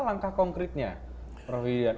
langkah konkretnya prof hidyan